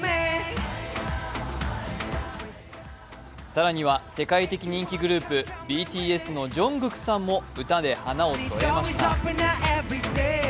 更には、世界的に人気グループＢＴＳのＪＵＮＧＫＯＯＫさんも歌で華を添えました。